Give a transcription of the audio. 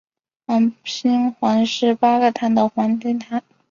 环辛烷是八个碳的环烷烃。